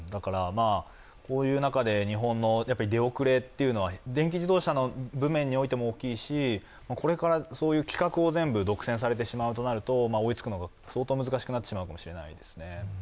こういう中で日本の出遅れというのは、電気自動車の部門においても大きいし、これからそういう規格を全部独占されてしまうと追いつくのが相当難しくなってしまうかもしれないですね。